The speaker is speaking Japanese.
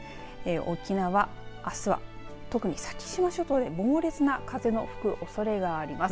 沖縄、あすは特に先島諸島に猛烈な風の吹くおそれがあります。